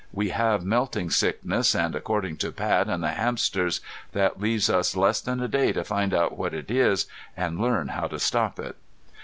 We have melting sickness and according to Pat and the hamsters, that leaves us less than a day to find out what it is and learn how to stop it."